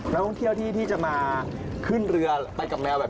รู้สึกกางเกงเปียกนะครับ